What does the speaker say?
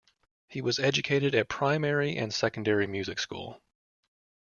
He was educated at Primary and Secondary Music School.